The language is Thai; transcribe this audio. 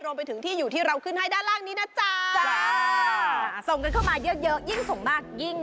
รวมไปถึงที่อยู่ที่เราขึ้นให้ด้านล่างนี้นะจ้า